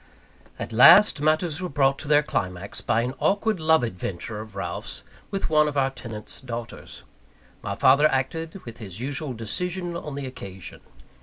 At last, matters were brought to their climax by an awkward love adventure of Ralph's with one of our tenants' daughters. My father acted with his usual decision on the occasion.